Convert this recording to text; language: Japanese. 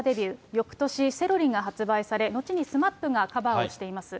翌年、セロリが発売され、後にＳＭＡＰがカバーをしています。